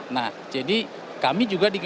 nah jadi kami juga di